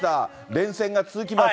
連戦が続きます。